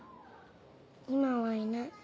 今はいない。